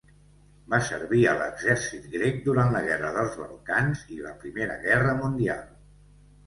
Va servir a l'exèrcit grec durant la guerra dels Balcans i la primera guerra mundial.